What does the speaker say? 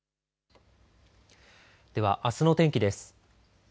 では、あすの天気です。